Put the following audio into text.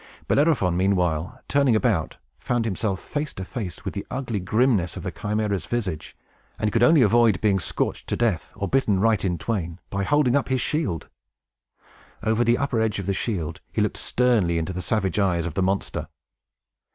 Bellerophon, meanwhile, turning about, found himself face to face with the ugly grimness of the Chimæra's visage, and could only avoid being scorched to death, or bitten right in twain, by holding up his shield. Over the upper edge of the shield, he looked sternly into the savage eyes of the monster.